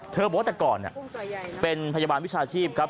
บอกว่าแต่ก่อนเป็นพยาบาลวิชาชีพครับ